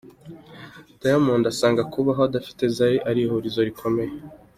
Diamond asanga kubaho adafite Zari ari ihurizo rikomeye.